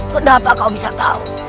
kenapa kau bisa tahu